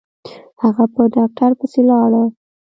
هغه په ډاکتر پسې ولاړه.